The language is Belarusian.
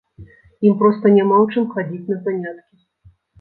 Ім проста няма ў чым хадзіць на заняткі.